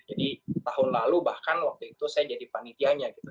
jadi tahun lalu bahkan waktu itu saya jadi panitianya gitu